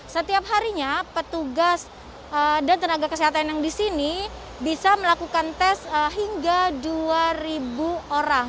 setiap harinya petugas dan tenaga kesehatan yang di sini bisa melakukan tes hingga dua orang